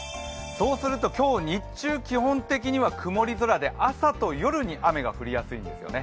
そうすると今日日中基本的には曇り空で朝と夜に雨が降りやすいんですよね。